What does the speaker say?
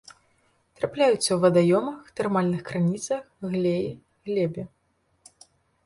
Трапляюцца ў вадаёмах, тэрмальных крыніцах, глеі, глебе.